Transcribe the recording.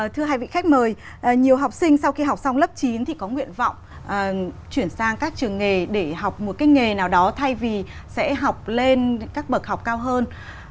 thưa hai vị khách mời nhiều học sinh sau khi học xong lớp chín thì có nguyện vọng chuyển sang các trường nghề để học một cái nghề nào đó thay vì sẽ học lên các bậc học cao hơn